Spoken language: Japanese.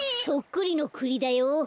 そっくりのクリだよ。